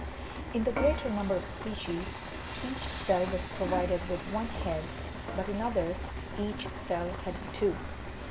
In the greater number of species, each cell was provided with one head, but in others each cell had two.